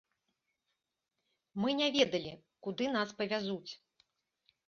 Мы не ведалі, куды нас павязуць.